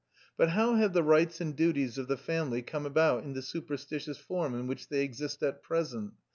But how have the rights and duties of the family come about in the superstitious form in which they exist at present?